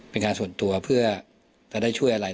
เป็นงานส่วนตัวเพื่อจะได้ช่วยอะไร